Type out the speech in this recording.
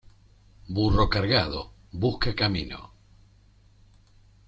Burro cargado, busca camino.